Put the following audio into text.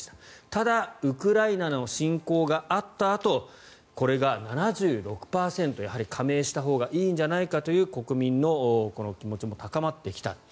ただ、ウクライナの侵攻があったあと、これが７６％やはり加盟したほうがいいんじゃないかという国民の気持ちも高まってきた。